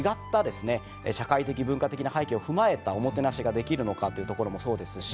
社会的文化的な背景を踏まえたおもてなしができるのかというところもそうですし。